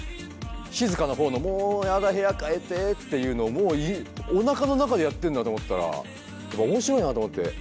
静かなほうのもう嫌だ部屋変えてっていうのをもうおなかの中でやってるんだと思ったら面白いなと思って。